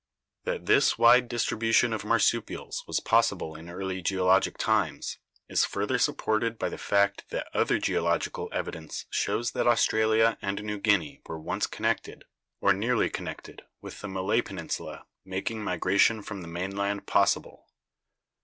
That this wide distribution of marsupials was possible in early geologic times is further supported by the fact that other geological evidence shows that Australia and New Guinea were once connected, or nearly connected, with the Malay Peninsula, making migration from the mainland possible.